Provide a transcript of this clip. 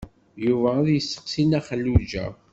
Yuba ad yesteqsi Nna Xelluǧa.